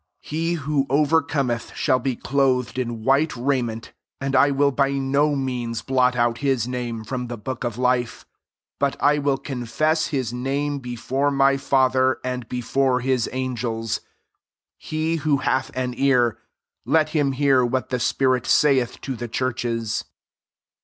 5 He who overcometh shall be clothed in white rai ment ; and I will by no means blot out his name from the book of life, but I will confess his name before my Father, and before his angels.' 6 He who hath an ear, let him hear what the spirit saith to the churches.